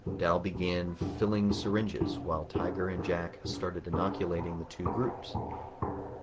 Dal began filling syringes while Tiger and Jack started inoculating the two groups.